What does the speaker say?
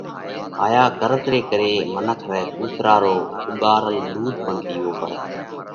هائيا غرض ري ڪري منک رئہ ڪُوترا رو اُوڳارل ۮُوڌ پڻ پِيوو پڙئه۔